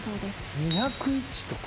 ２０１とかは？